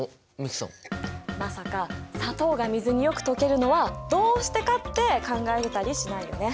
まさか「砂糖が水によく溶けるのはどうしてか」って考えてたりしないよね？